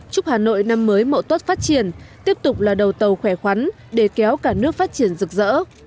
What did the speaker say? chúc hà nội năm mới mậu tốt phát triển tiếp tục là đầu tàu khỏe khoắn để kéo cả nước phát triển rực rỡ